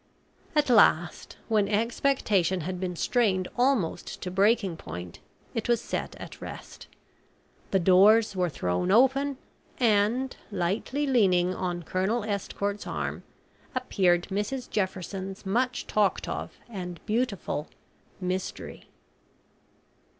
At last, when expectation had been strained almost to breaking point, it was set at rest. The doors were thrown open, and, lightly leaning on Colonel Estcourt's arm, appeared Mrs Jefferson's much talked of, and beautiful "Mystery."